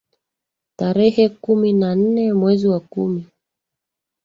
tarehe kumi na nne mwezi wa kumi